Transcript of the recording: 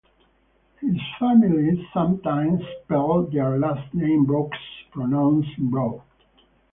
His family sometimes spelled their last name "Breaux", pronounced "Bro".